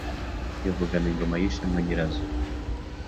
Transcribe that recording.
Yivugana ingoma yishe mwo nyirazo